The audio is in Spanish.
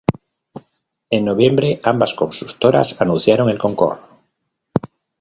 En noviembre, ambas constructoras anunciaron el "Concorde".